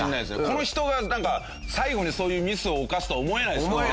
この人がなんか最後にそういうミスを犯すとは思えないですもんね。